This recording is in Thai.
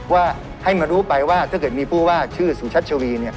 ว่าให้มารู้ไปว่าถ้าเกิดมีผู้ว่าชื่อสุชัชวี